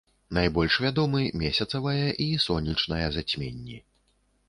Найбольш вядомы месяцавае і сонечнае зацьменні.